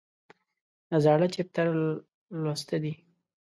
د زاړه چپټر لوسته دي